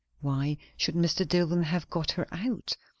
Why should Mr. Dillwyn have got her out?